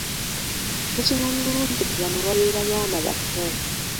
Tukimanyi bulungi nti bano babeera baana bato.